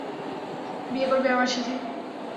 বিয়ে করবে আমার সাথে?